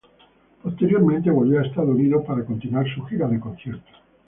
Posteriormente, volvió a Estados Unidos para continuar su gira de conciertos.